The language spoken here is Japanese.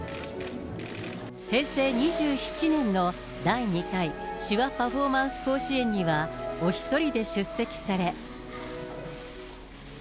平成２７年の第２回手話パフォーマンス甲子園には、お一人で出席され。